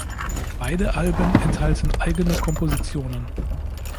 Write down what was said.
Beide Alben enthalten eigene Kompositionen.